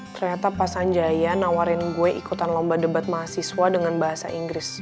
ternyata pas anjaya nawarin gue ikutan lomba debat mahasiswa dengan bahasa inggris